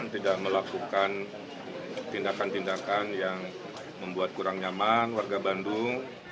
tidak melakukan tindakan tindakan yang membuat kurang nyaman warga bandung